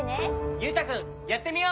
ゆうたくんやってみよう！